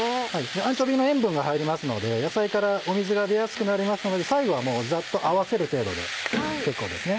アンチョビーの塩分が入りますので野菜から水が出やすくなりますので最後はもうざっと合わせる程度で結構ですね。